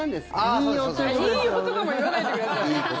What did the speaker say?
引用とかも言わないでください。